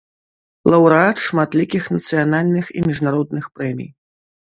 Лаўрэат шматлікіх нацыянальных і міжнародных прэмій.